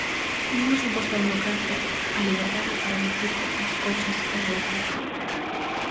Nunha suposta democracia, a liberdade para dicir certas cousas é relativa.